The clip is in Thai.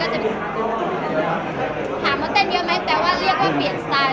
ถามว่าเต้นเยอะไหมแต่ว่าเรียกว่าเปลี่ยนสไตล์